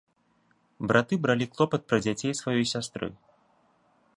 Браты бралі клопат пра дзяцей сваёй сястры.